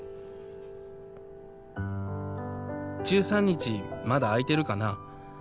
「１３日まだ空いてるかな。